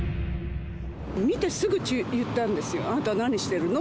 見てすぐ言ったんですよ、あなた、何してるの？